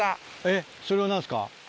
えっそれは何ですか？